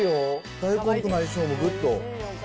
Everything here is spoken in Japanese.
大根との相性もグッド。